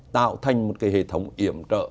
tạo thành một cái hệ thống iểm trợ